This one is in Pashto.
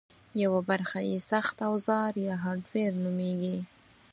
یوه برخه یې سخت اوزار یا هارډویر نومېږي